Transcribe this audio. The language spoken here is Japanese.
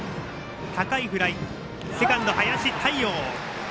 高いフライ、セカンド、林大遥。